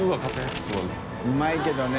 うまいけどね。